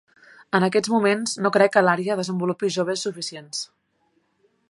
En aquests moments, no crec que l'àrea desenvolupi joves suficients.